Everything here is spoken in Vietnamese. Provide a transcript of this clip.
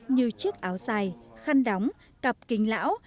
như chiếc áo dài khăn đóng cặp kính lão